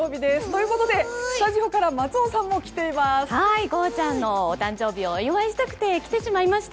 ということでスタジオから松尾さんも来ています。